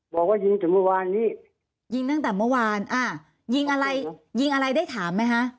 บอกว่ายิงถึงเมื่อวานนี้ยิงตั้งแต่เมื่อวานอ่ายิงอะไรยิงอะไรได้ถามไหมคะ